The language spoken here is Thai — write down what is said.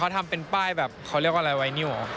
ทำเป็นป้ายแบบเขาเรียกว่าอะไรไวนิวเหรอ